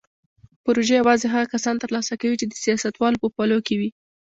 پروژې یوازې هغه کسان ترلاسه کوي چې د سیاستوالو په پلو کې وي.